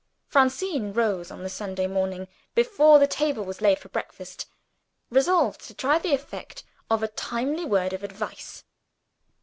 Francine rose, on the Sunday morning, before the table was laid for breakfast resolved to try the effect of a timely word of advice.